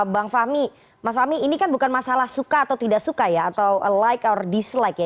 bang fahmi mas fahmi ini kan bukan masalah suka atau tidak suka ya atau like our dislike ya